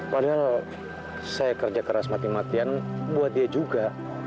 padahal saya kerja keras mati matian buat dia juga